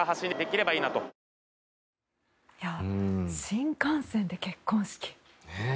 新幹線で結婚式。